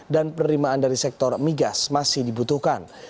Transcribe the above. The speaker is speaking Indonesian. dan penerimaan dari sektor migas masih dibutuhkan